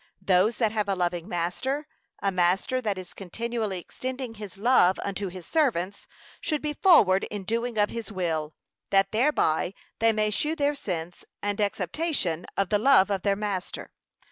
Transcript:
Those that have a loving master, a master that is continually extending his love unto his servants, should be forward in doing of his will, that thereby they may shew their sense, and acceptation of the love of their master.